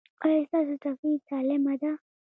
ایا ستاسو تفریح سالمه ده؟